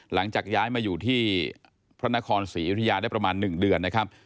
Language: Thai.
หลังจากย้ายมาอยู่ที่พระนครศรีอยุธยาได้ประมาณ๑เดือนนะครับ